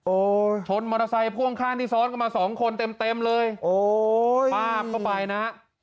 โอ้ยชนบริษัทผ่วงข้างที่ซ้อนกันมาสองคนเต็มเลยโอ้ยบ้าพไปไหนนะ